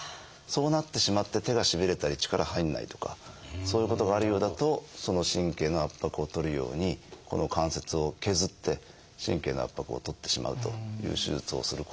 そうなってしまって手がしびれたり力入んないとかそういうことがあるようだとその神経の圧迫を取るようにこの関節を削って神経の圧迫を取ってしまうという手術をすることもあります。